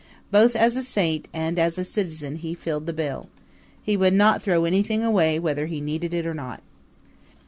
Both as a saint and as a citizen he filled the bill. He would not throw anything away, whether he needed it or not.